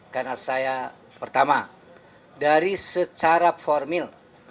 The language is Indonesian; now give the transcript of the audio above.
karena saya pertama dari secara formil